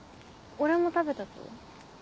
俺も食べたとは？